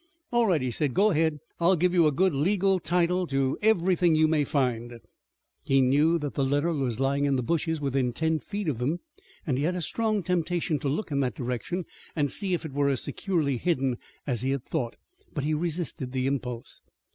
"All right," he said, "go ahead. I'll give you a good legal title to everything you may find." He knew that the letter was lying in the bushes within ten feet of them and he had a strong temptation to look in that direction and see if it were as securely hidden as he had thought, but he resisted the impulse.